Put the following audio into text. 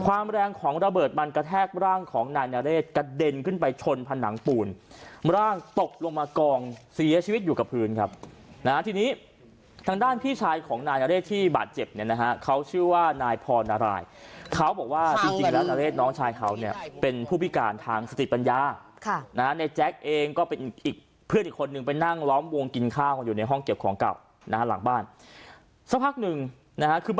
ความแรงของระเบิดมันกระแทกร่างของนายนาเลสกระเด็นขึ้นไปชนผันหนังปูนร่างตกลงมากองเสียชีวิตอยู่กับพื้นครับนะฮะทีนี้ทางด้านพี่ชายของนายนาเลสที่บาดเจ็บเนี้ยนะฮะเขาชื่อว่านายพอร์นารายเขาบอกว่าจริงจริงแล้วนาเลสน้องชายเขาเนี้ยเป็นผู้พิการทางสติปัญญาค่ะนะฮะในแจ๊กเองก็เป็นอีกอีกเพื่